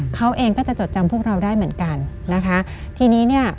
เขาเองก็จะจดจำพวกเราได้เหมือนกันนะคะทีนี้เนี่ย